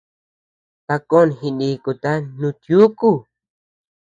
Takon jinikuta nutiukuu.